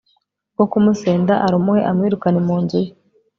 rwo kumusenda arumuhe, amwirukane mu nzu ye